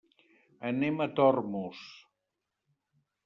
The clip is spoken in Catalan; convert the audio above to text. Anem a Tormos.